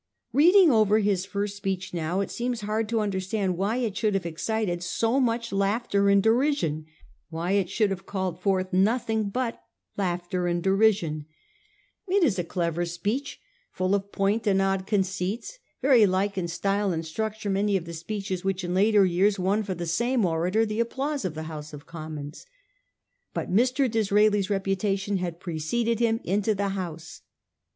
Reading over this first speech now, it seems hard to understand why it should have excited so much laughter and derision; why it should have called forth nothing but laughter and derision. It is o o 2 388 A HISTORY OF OUR OWN TIMES. cm. m. a clever speech, full of point and odd conceits ; very like in style and structure many of the speeches which in later years won for the same orator the applause of the House of Commons. But Mr. Disraeli's reputa tion had preceded him into the House.